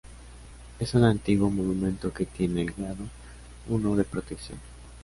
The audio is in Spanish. Es una antiguo monumento que tiene el Grado I de protección.